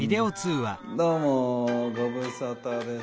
どうもご無沙汰です。